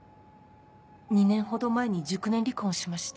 ２年ほど前に熟年離婚をしまして。